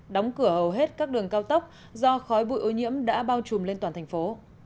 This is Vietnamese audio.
đóng cửa hầu hết các đường cao tốc do khói bụi ô nhiễm đã bao trùm lên toàn thành phố